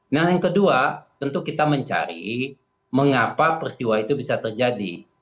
nah yang kedua tentu kita mencari mengapa peristiwa itu bisa terjadi